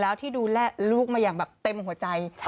แล้วที่ดูแลลูกมาอย่างแบบเต็มหัวใจ